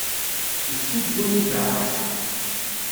Nessugun ibeɛɛac.